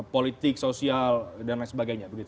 politik sosial dan lain sebagainya